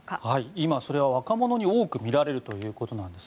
今、それは若者に多く見られるということです。